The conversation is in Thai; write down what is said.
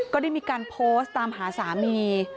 ก็ได้มีการโพสต์ตามหาสามี